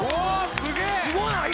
すごない！？